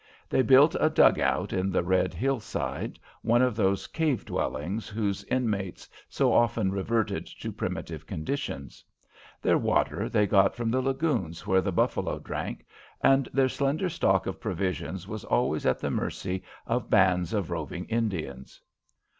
They built a dug out in the red hillside, one of those cave dwellings whose inmates so often reverted to primitive conditions. Their water they got from the lagoons where the buffalo drank, and their slender stock of provisions was always at the mercy of bands of roving Indians.